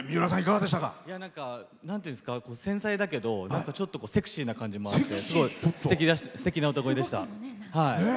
繊細だけどちょっとセクシーな感じもあってすてきな歌声でした。